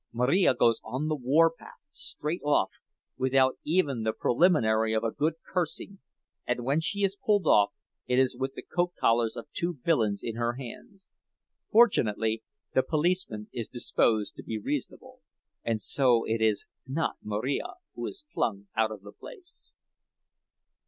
Marija goes on the warpath straight off, without even the preliminary of a good cursing, and when she is pulled off it is with the coat collars of two villains in her hands. Fortunately, the policeman is disposed to be reasonable, and so it is not Marija who is flung out of the place.